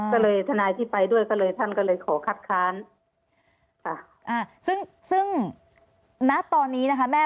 ก็เลยทนายที่ไปด้วยก็เลยท่านก็เลยขอคัดค้านค่ะอ่าซึ่งซึ่งณตอนนี้นะคะแม่